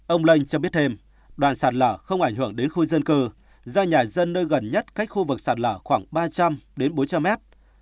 ông lanh cho biết thêm đoạn sạt lở không ảnh hưởng đến khu dân cư do nhà dân nơi gần nhất cách khu vực sạt lở khoảng ba trăm linh đến bốn trăm linh mét